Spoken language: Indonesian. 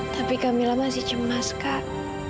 tapi kamilah masih cemas kak